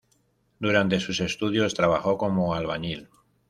Durante sus estudios trabajó como albañil.